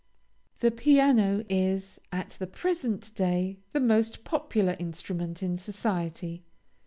The piano is, at the present day, the most popular instrument in society.